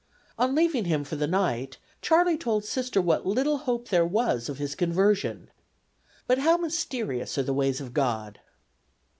On leaving him for the night Charley told Sister what little hope there was of his conversion. But how mysterious are the ways of God!